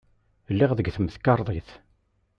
Lliɣ deg temkarḍit.